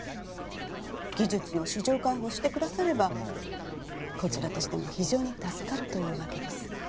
技術の市場開放をしてくださればこちらとしても非常に助かるというわけです